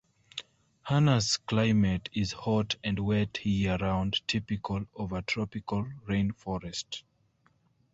Hana's climate is hot and wet year round, typical of a tropical rainforest.